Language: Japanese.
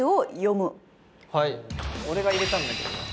俺が入れたんだけどな。